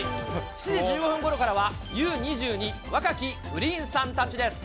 ７時１５分ごろからは、Ｕ２２若きＧｒｅｅｎさんたちです。